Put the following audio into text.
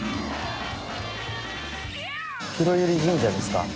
黒百合神社ですか？